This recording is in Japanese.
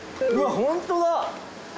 本当だ！